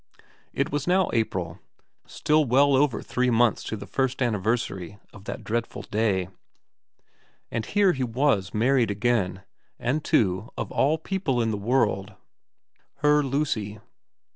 It was now April ; still well over three months to the first anni versary of that dreadful day, and here he was married again, and to, of all people in the world, her Lucy.